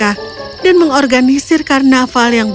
jangan lupa datang cheaper dengan jualan terbaik dari menyediakan berhubung